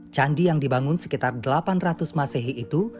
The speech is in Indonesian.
candi yang dibangun sekitar delapan ratus masehi itu